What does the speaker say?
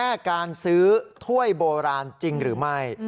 แค่การซื้อถ้วยโบราณจริงหรือไม่